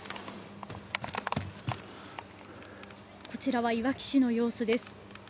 こちらは、いわき市の様子です。